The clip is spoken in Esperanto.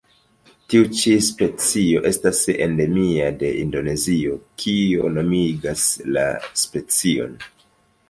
Tiu ĉi specio estas endemia de Indonezio, kio nomigas la specion.